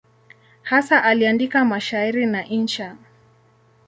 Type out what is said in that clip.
Hasa aliandika mashairi na insha.